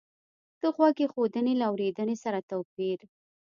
د غوږ ایښودنې له اورېدنې سره توپیر